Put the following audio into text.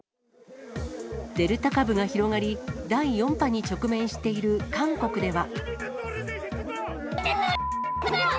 デルタ株が広がり、第４波に直面している韓国では。